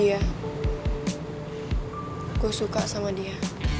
iya aku suka sama dia